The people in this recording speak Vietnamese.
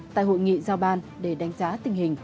tại hội nghị giao ban để đánh giá tình hình